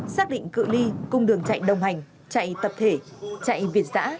xác định cự li cung đường chạy đồng hành chạy tập thể chạy việt giã